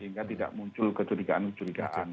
sehingga tidak muncul kecurigaan kecurigaan